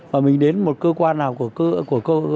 mà mình đến một cơ quan nào của cơ quan